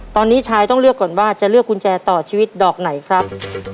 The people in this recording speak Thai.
ตอนนี้ชายต้องเลือกก่อนว่าจะเลือกกุญแจต่อชีวิตดอกไหนครับ